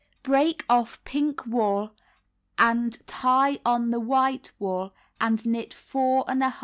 Break off pink wool and tie on the white wool, and knit 4o inches.